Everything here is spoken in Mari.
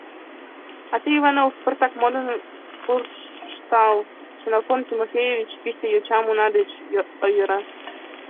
А тый, Иванов, пыртак модын куржтал, — Ксенофонт Тимофеевич писе йочам уна деч ойыра.